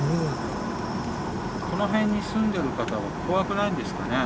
この辺に住んでる方は怖くないんですかね？